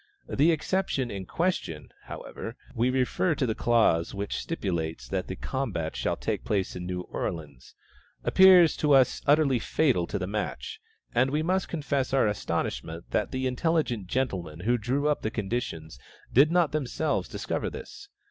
The exception in question, however, (we refer to the clause which stipulates that the combat shall take place in New Orleans!) appears to us utterly fatal to the match; and we must confess our astonishment that the intelligent gentlemen who drew up the conditions did not themselves discover this.